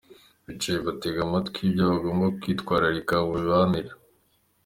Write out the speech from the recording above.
Bicaye batega amatwi ibyo bagomba kwitwararika mu mibanire.